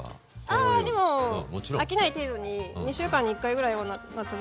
あでも飽きない程度に２週間に１回ぐらいは夏場登場しますね。